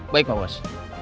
baik pak bos